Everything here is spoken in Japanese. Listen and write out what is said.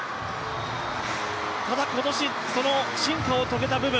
ただ今年、進化を遂げた部分。